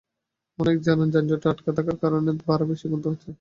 অনেকে জানান, যানজটে আটকা থাকার কারণে ভাড়াও বেশি গুনতে হচ্ছে তাঁদের।